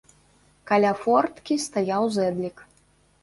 Каля форткі стаяў зэдлік.